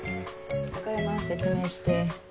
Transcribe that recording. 貴山説明して。